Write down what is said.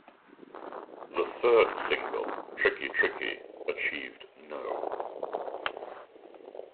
The third single, "Tricky, Tricky", achieved No.